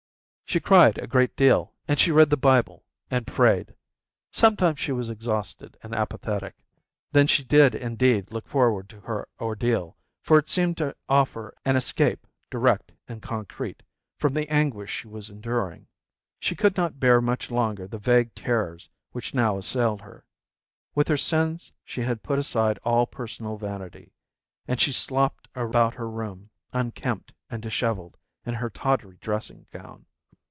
She cried a great deal, and she read the Bible, and prayed. Sometimes she was exhausted and apathetic. Then she did indeed look forward to her ordeal, for it seemed to offer an escape, direct and concrete, from the anguish she was enduring. She could not bear much longer the vague terrors which now assailed her. With her sins she had put aside all personal vanity, and she slopped about her room, unkempt and dishevelled, in her tawdry dressing gown.